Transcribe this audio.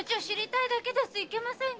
いけませんか？